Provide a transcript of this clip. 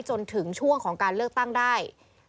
จนถึงช่วงของการเลือกตั้งได้